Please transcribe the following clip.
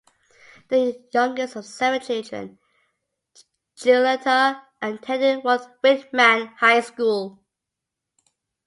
The youngest of seven children, Gugliotta attended Walt Whitman High School.